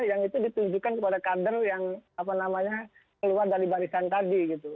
yang itu ditunjukkan kepada kader yang apa namanya keluar dari barisan tadi gitu